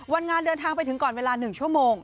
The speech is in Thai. วันงานเดินทางไปถึงก่อนเวลา๑ชั่วโมง